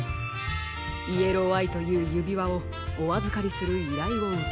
イエローアイというゆびわをおあずかりするいらいをうけました。